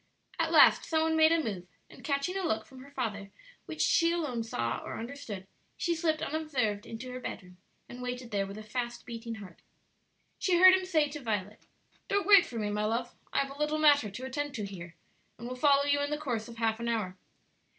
At last some one made a move, and catching a look from her father which she alone saw or understood, she slipped unobserved into her bedroom and waited there with a fast beating heart. She heard him say to Violet, "Don't wait for me, my love; I have a little matter to attend to here, and will follow you in the course of half an hour."